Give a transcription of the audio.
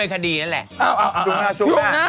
ช่วงหน้าช่วงหน้า